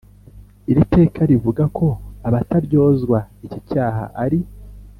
Iri teka rivuga ko abataryozwa iki cyaha ari